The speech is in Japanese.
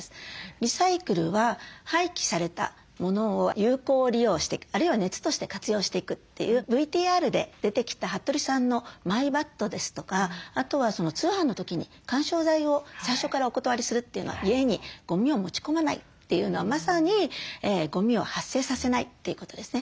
リサイクルは廃棄されたものを有効利用していくあるいは熱として活用していくというＶＴＲで出てきた服部さんのマイバットですとかあとは通販の時に緩衝材を最初からお断りするというのは家にゴミを持ち込まないというのはまさにゴミを発生させないということですね。